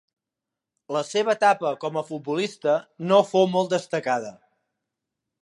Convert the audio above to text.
La seva etapa com a futbolista no fou molt destacada.